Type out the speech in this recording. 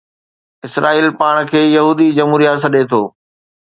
اسرائيل پاڻ کي يهودي جمهوريه سڏي ٿو